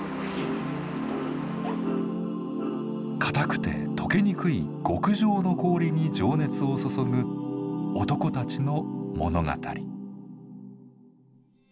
硬くて解けにくい極上の氷に情熱を注ぐ男たちの物語。